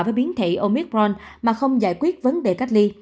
với biến thể omicron mà không giải quyết vấn đề cách ly